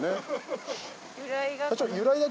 由来が。